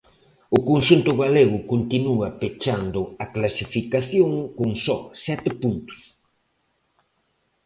O conxunto galego continúa pechando a clasificación con só sete puntos.